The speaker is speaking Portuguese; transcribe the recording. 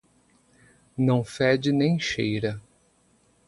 Não fede, nem cheira